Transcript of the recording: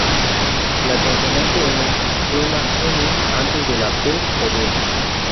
La consonante 'n' suena 'm' antes de la 'p' "o" 'b'.